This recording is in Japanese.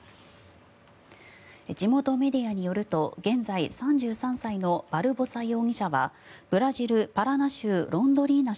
地元メディアによると現在３３歳のバルボサ容疑者はブラジル・パラナ州ロンドリーナ